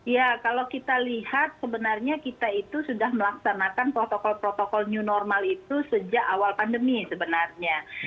ya kalau kita lihat sebenarnya kita itu sudah melaksanakan protokol protokol new normal itu sejak awal pandemi sebenarnya